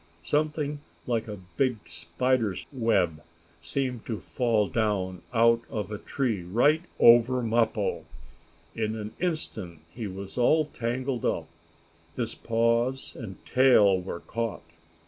Something like a big spider's web seemed to fall down out of a tree right over Mappo. In an instant he was all tangled up his paws and tail were caught.